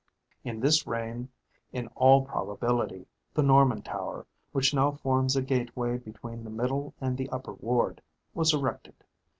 In this reign, in all probability, the Norman Tower, which now forms a gateway between the middle and the upper ward, was erected.